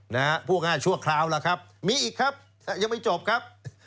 ทั่วคราวแล้วครับมีอีกครับยังไม่จบครับ